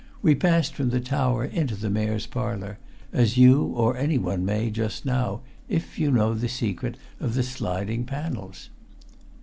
We passed from the tower into the Mayor's Parlour as you or anyone may, just now, if you know the secret of the sliding panels."